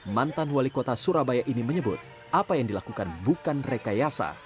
mantan wali kota surabaya ini menyebut apa yang dilakukan bukan rekayasa